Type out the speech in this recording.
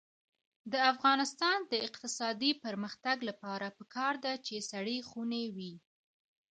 د افغانستان د اقتصادي پرمختګ لپاره پکار ده چې سړې خونې وي.